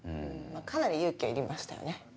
かなり勇気はいりましたよね。